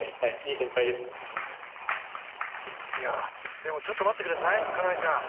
でもちょっと待ってください、金井さん。